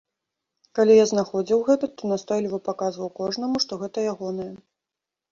Калі я знаходзіў гэта, то настойліва паказваў кожнаму, што гэта ягонае.